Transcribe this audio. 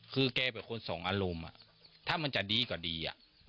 คือแกเป็นคนส่งอารุมอ่ะถ้ามันจะดีก็ดีอ่ะ